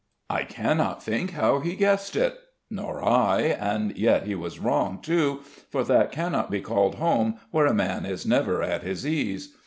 "I cannot think how he guessed it." "Nor I. And yet he was wrong, too: for that cannot be called home where a man is never at his ease.